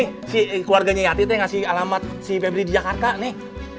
ini si keluarganya yati itu yang ngasih alamat si pebri di jakarta nih